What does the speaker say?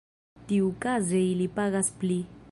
Tiukaze ili pagas pli.